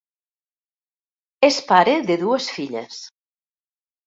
És pare de dues filles.